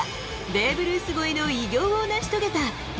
ベーブ・ルース超えの偉業を成し遂げた。